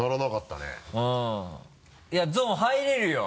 いやゾーン入れるよ！